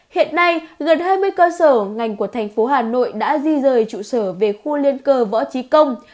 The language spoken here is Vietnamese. hiện nay gần hai mươi cơ sở ngành của thành phố hà nội đã di rời trụ sở về khu liên cơ võ trí công